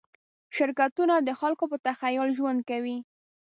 شرکتونه د خلکو په تخیل ژوند کوي.